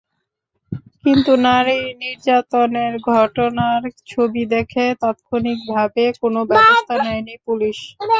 কিন্তু নারী নির্যাতনের ঘটনার ছবি দেখেও তাৎক্ষণিকভাবে কোনো ব্যবস্থা নেয়নি পুলিশ।